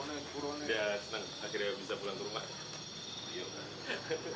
akhirnya bisa pulang rumah